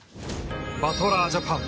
「バトラー・ジャパン」